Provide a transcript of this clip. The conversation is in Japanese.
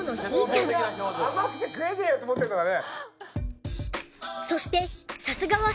甘くて食えねえよって思ってるのかね？